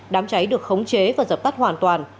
đám cháy được khống chế và dập tắt hoàn toàn